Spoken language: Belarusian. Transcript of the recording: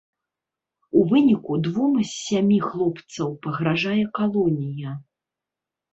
У выніку двум з сямі хлопцаў пагражае калонія.